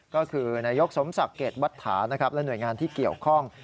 ก็คือนายกสมศักดิ์เกดวัตถานะครับและหน่วยงานที่เกี่ยวข้อง